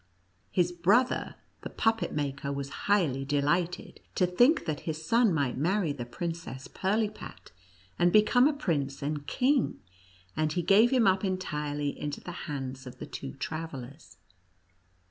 His brother, the puppet maker, was highly delighted to think that his son might marry the Princess Pirlipat, and become a prince and king, and he gave him up entirely into the hands of the two travellers.